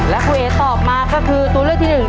แล้วคุณเอ๋ตอบมาก็คือตัวเลือกที่หนึ่ง